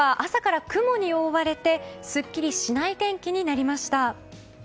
今日は朝から雲に覆われてすっきりしない天気になりました。